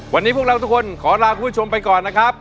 วันนี้พวกเราทุกคนขอลาคุณผู้ชมไปก่อนนะครับ